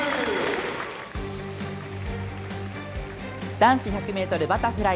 男子１００ｍバタフライ。